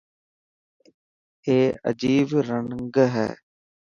اي اجيب رن هي.